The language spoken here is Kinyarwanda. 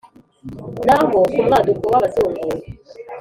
naho ku mwaduko w' abazungu